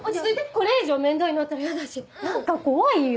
これ以上面倒になったらヤダし何か怖いよ。